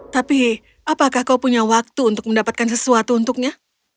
tapi apakah kau punya waktu untuk mendapatkan sesuatu untuknya